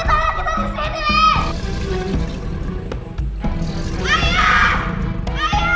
rusaknya adalah kedua p hiking